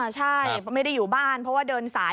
ใช่ไม่ได้อยู่บ้านเพราะว่าเดินสาย